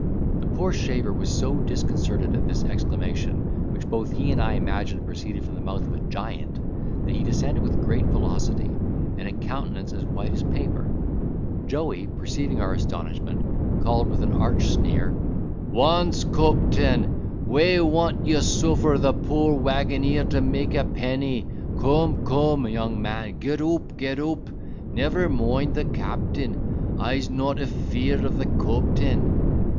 The poor shaver was so disconcerted at this exclamation, which both he and I imagined proceeded from the mouth of a giant, that he descended with great velocity and a countenance as white as paper. Joey, perceiving our astonishment, called, with an arch sneer, "Waunds, coptain, whay woant yau sooffer the poor waggoneer to meake a penny? Coom, coom, young man, get oop, get oop, never moind the coptain; I'se not afeard of the coptain."